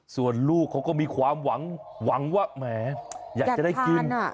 ส่วนลูกเขาก็มีความหวังหวังว่าแหมอยากจะได้กิน